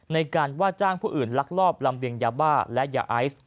ในการว่าจ้างผู้อื่นลักลอบลำเลียงยาบ้าและยาไอซ์